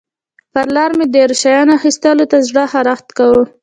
پر لاره مې د ډېرو شیانو اخیستلو ته زړه خارښت کاوه.